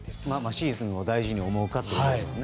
シーズンを大事に思うかということですよね。